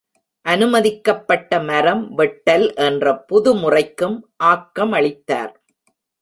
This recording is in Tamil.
அனுமதிக்கப்பட்ட மரம் வெட்டல் என்ற புதுமுறைக்கும் ஆக்கமளித்தார்.